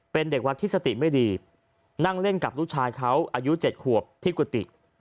เป็นเด็กวัดที่สติไม่ดีนั่งเล่นกับลูกชายเขาอายุ๗ขวบที่กุฏิ